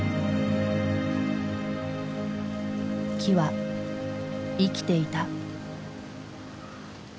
木は生きていた。